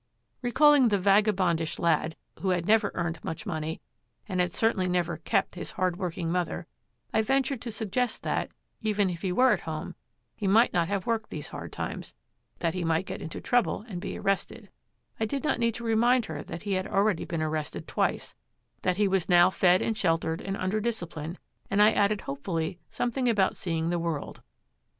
Recalling the vagabondish lad who had never earned much money and had certainly never 'kept' his hard working mother, I ventured to suggest that, even if he were at home, he might not have worked these hard times, that he might get into trouble and be arrested, I did not need to remind her that he had already been arrested twice, that he was now fed and sheltered and under discipline, and I added hopefully something about seeing the world.